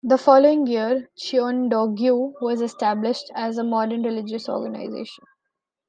The following year, Cheondogyo was established as a modern religious organisation.